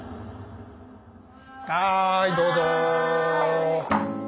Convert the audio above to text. はいどうぞ！